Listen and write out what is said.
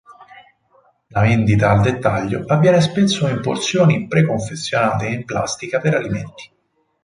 La vendita al dettaglio avviene spesso in porzioni pre-confezionate in plastica per alimenti.